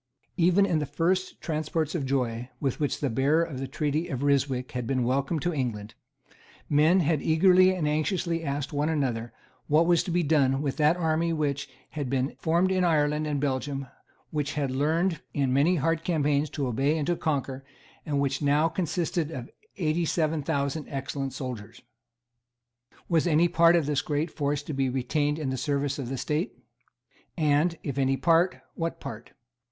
Even in the first transports of joy with which the bearer of the treaty of Ryswick had been welcomed to England, men had eagerly and anxiously asked one another what was to be done with that army which had been formed in Ireland and Belgium, which had learned, in many hard campaigns, to obey and to conquer, and which now consisted of eighty seven thousand excellent soldiers. Was any part of this great force to be retained in the service of the State? And, if any part, what part?